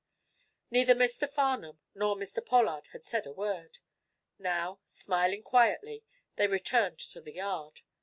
Neither Mr. Farnum nor Mr. Pollard had said a word. Now, smiling quietly, they returned to the yard.